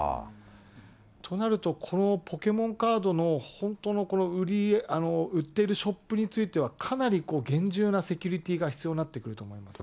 となると、このポケモンカードの本当の売っているショップについては、かなり厳重なセキュリティーが、必要になってくると思いますね。